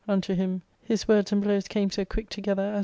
unto him, his words and blows came so quick together as